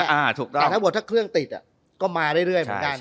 ถ้าบอกว่าถ้าเครื่องติดก็มาเรื่อยเหมือนกัน